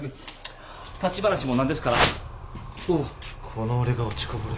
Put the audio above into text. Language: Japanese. この俺が落ちこぼれ？